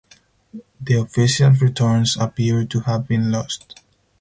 The official returns appear to have been lost.